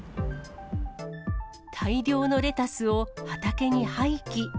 大量のレタスを畑に廃棄。